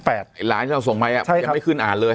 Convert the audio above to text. ไอ้ร้านที่เราส่งไปยังไม่ขึ้นอ่านเลย